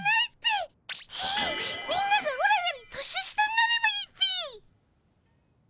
みんながオラより年下になればいいっピ！